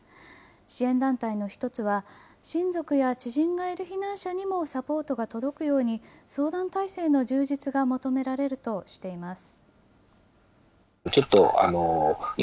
支援団体の一つは、親族や知人がいる避難者にもサポートが届くように、相談態勢の充実が求められるとしています。